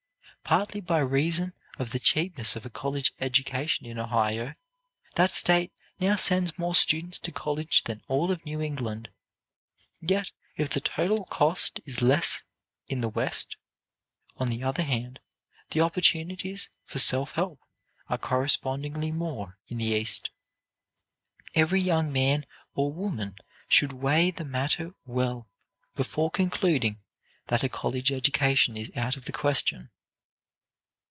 Partly by reason of the cheapness of a college education in Ohio, that state now sends more students to college than all of New England. Yet if the total cost is less in the West, on the other hand, the opportunities for self help are correspondingly more in the East. Every young man or woman should weigh the matter well before concluding that a college education is out of the question.